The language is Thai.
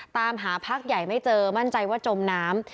ตามหาพักใหญ่ไม่เจอมั่นใจว่าจมน้ำ